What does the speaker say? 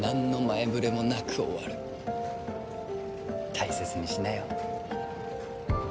大切にしなよ。